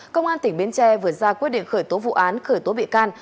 công an tỉnh bến tre vừa ra quyết định khởi tố vụ án khởi tố bị can